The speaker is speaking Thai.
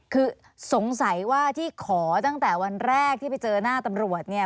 คือสงสัยว่าที่ขอตั้งแต่วันแรกที่ไปเจอหน้าตำรวจเนี่ย